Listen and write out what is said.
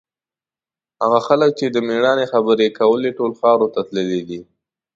هغه خلک چې د مېړانې خبرې یې کولې، ټول خاورو ته تللي دي.